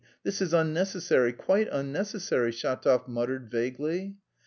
This is unnecessary, quite unnecessary," Shatov muttered vaguely.